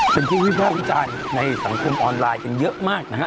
เป็นที่วิภาควิจารณ์ในสังคมออนไลน์กันเยอะมากนะฮะ